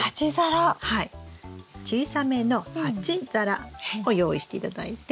小さめの鉢皿を用意して頂いて。